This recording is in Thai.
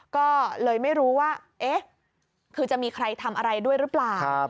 ก็เลยไม่รู้ว่าเอ๊ะคือจะมีใครทำอะไรด้วยหรือเปล่า